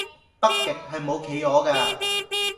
北極係冇企鵝架